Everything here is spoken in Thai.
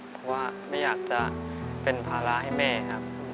เพราะว่าไม่อยากจะเป็นภาระให้แม่ครับ